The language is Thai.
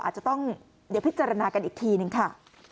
อาจจะต้องพิจารณากันอีกทีหนึ่งค่ะ